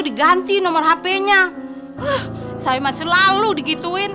dari mana itu